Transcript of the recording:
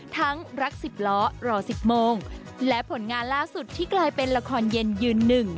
ทั้งรักสิบล้อรอสิบโมงและผลงานล่าสุดที่กลายเป็นละครเย็นยืนหนึ่ง